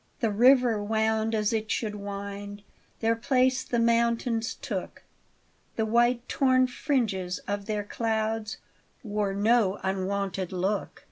The river wound as it should wind; Their place the mountains took; The white torn fringes of their clouds Wore no unwonted look.